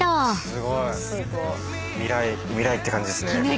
すごい。未来って感じですね。